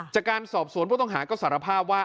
จากการสอบสวนผู้ต้องหาก็สารภาพว่า